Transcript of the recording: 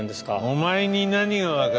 お前に何がわかる。